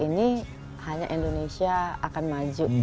ini hanya indonesia akan maju